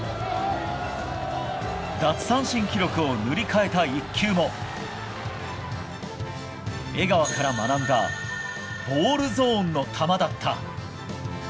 奪三振記録を塗り替えた１球も江川から学んだボールゾーンの球だった。